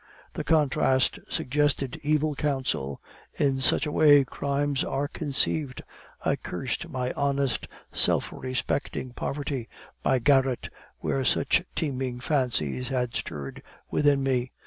The contrast suggested evil counsel; in such a way crimes are conceived. I cursed my honest, self respecting poverty, my garret where such teeming fancies had stirred within me.